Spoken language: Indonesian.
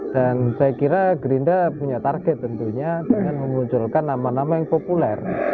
dan saya kira gerindra punya target tentunya dengan memunculkan nama nama yang populer